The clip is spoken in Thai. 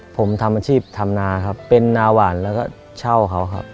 ผมทำอาชีพทำนาครับเป็นนาหวานแล้วก็เช่าเขาครับ